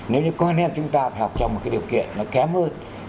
nếu như con em chúng ta phải học trong một cái điều kiện nó kém hơn